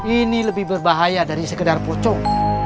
ini lebih berbahaya dari sekedar pucuk